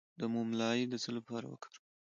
د موم لایی د څه لپاره وکاروم؟